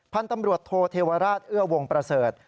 พันธุ์ตำรวจโทเทวราชเอื้อวงประเสริฐ